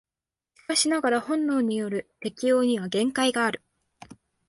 しかしながら本能による適応には限界がある。